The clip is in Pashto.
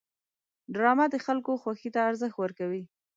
ډرامه د خلکو خوښې ته ارزښت ورکوي